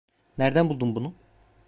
Nereden buldun bunu?